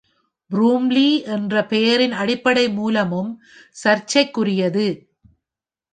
Bromley என்ற பெயரின் அடிப்படை மூலமும் சர்ச்சைக்குரியது.